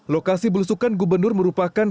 lokasi belusukan gubernur merupakan